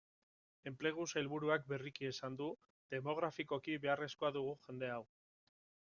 Enplegu sailburuak berriki esan du, demografikoki beharrezko dugu jende hau.